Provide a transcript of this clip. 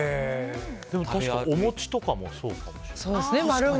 確かにお餅とかもそうかもしれない。